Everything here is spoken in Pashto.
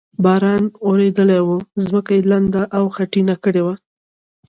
باران ورېدلی و، ځمکه یې لنده او خټینه کړې وه.